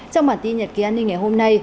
trong bản tin nhật ký an ninh ngày hôm nay